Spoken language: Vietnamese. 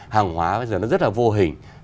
hàng hóa bây giờ nó rất là vô hình